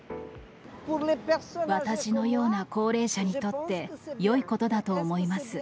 私のような高齢者にとって、よいことだと思います。